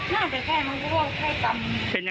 เด็กที่บ้านเจ็บนะครับ